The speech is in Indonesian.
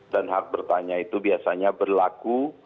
hak bertanya itu biasanya berlaku